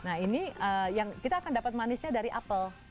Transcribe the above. nah ini yang kita akan dapat manisnya dari apel